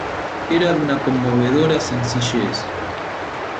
Era de una conmovedora sencillez.